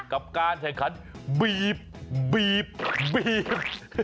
กับการแต่งขันบีบบีบบีบ